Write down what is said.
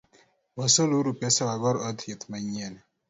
Wasol uru pesa wager od thieth manyien.